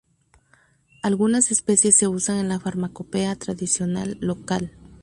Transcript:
Algunas especies se usan en la farmacopea tradicional local.